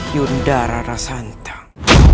yunda rara santang